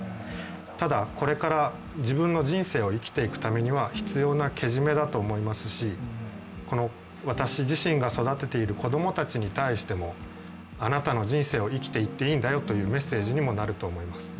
ただ、これから自分の人生を生きていくためには必要なけじめだと思いますし、この私自身が育てている子供たちに対してもあなたの人生を生きていっていいんだよというメッセージにもなると思います。